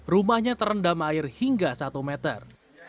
rumahnya terendam air hingga satu meter